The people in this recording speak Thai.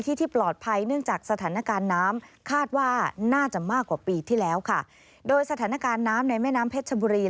สถานการณ์น้ำคาดว่าน่าจะมากกว่าปีที่แล้วโดยสถานการณ์น้ำในแม่น้ำเพชรชบุรี